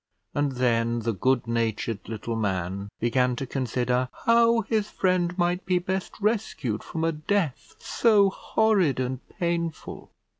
And then the good natured little man began to consider how his friend might be best rescued from a death so horrid and painful.